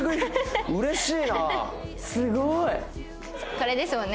これですもんね。